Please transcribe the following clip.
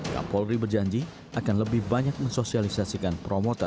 kapolri berjanji akan lebih banyak mensosialisasikan promoter